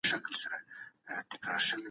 خواړه باید ورو وخوړل شي.